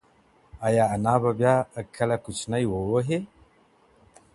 ایا انا به بیا کله ماشوم ووهي؟